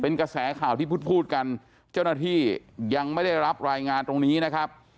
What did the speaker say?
เป็นกระแสข่าวที่พูดพูดกันเจ้าหน้าที่ยังไม่ได้รับรายงานตรงนี้นะครับ